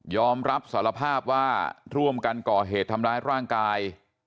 อมรับสารภาพว่าร่วมกันก่อเหตุทำร้ายร่างกาย